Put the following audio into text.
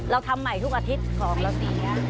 ทำใหม่ทุกอาทิตย์ของเราเสีย